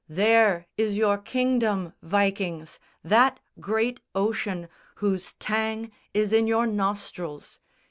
There is your kingdom, Vikings, that great ocean Whose tang is in your nostrils.